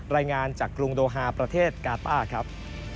รายงานจากกรุงโดฮาประเทศกาต้าครับ